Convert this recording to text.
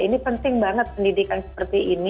ini penting banget pendidikan seperti ini